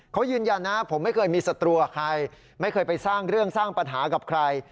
เขายืนยันนะผมไม่เคยมีศัตรูกับใครไม่เคยไปสร้างเรื่องสร้างปัญหากับใคร